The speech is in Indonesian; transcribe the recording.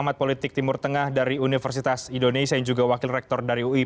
pengamat politik timur tengah dari universitas indonesia yang juga wakil rektor dari ui